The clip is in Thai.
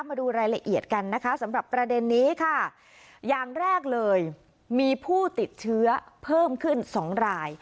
มาดูรายละเอียดกันนะคะสำหรับประเด็นนี้ค่ะอย่างแรกเลยมีผู้ติดเชื้อเพิ่มขึ้นสองราย